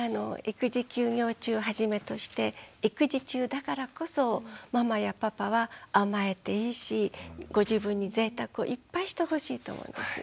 育児休業中はじめとして育児中だからこそママやパパは甘えていいしご自分にぜいたくをいっぱいしてほしいと思うんです。